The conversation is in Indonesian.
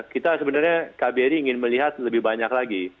kita sebenarnya kbri ingin melihat lebih banyak lagi